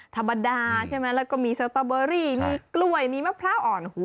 ธรรมดาใช่ไหมแล้วก็มีสตอเบอรี่มีกล้วยมีมะพร้าวอ่อนหู